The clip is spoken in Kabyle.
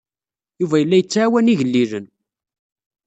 Yuba yella yettɛawan igellilen.